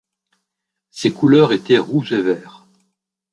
Ses couleurs étaient Rouge et Vert.